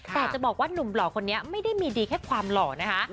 แต่จะบอกว่าหนุ่มหล่อคนนี้ไม่ได้มีดีแค่ความหล่อนะคะ